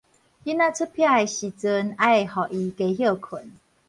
囡仔出癖的時陣愛予伊加歇睏